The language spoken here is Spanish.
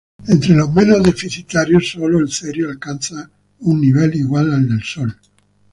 Entre los menos deficitarios, sólo el cerio alcanza un nivel igual al del Sol.